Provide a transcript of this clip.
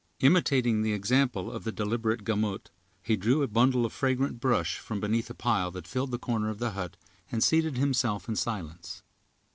Imitating the example of the deliberate Gamut, he drew a bundle of fragrant brush from beneath a pile that filled the corner of the hut, and seated himself in silence.